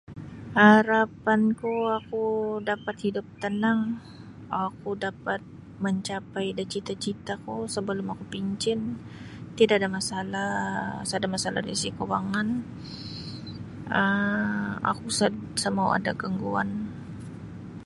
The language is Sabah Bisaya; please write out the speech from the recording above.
Harapanku oku dapat hidup tenang oku dapat mancapai da cita'-cita'ku sebelum oku pincin tidada masalah sada' masalah dari segi' kawangan um oku sa' sa' mau ada gangguan.